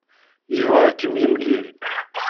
Yebɣa ad kem-yemlil.